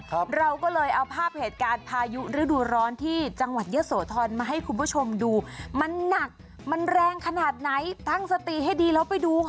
เราก็เลยเอาภาพเหตุการณ์พายุฤดูร้อนที่จังหวัดเยอะโสธรมาให้คุณผู้ชมดูมันหนักมันแรงขนาดไหนตั้งสติให้ดีแล้วไปดูค่ะ